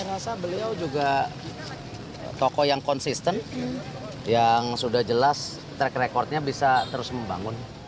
saya rasa beliau juga tokoh yang konsisten yang sudah jelas track recordnya bisa terus membangun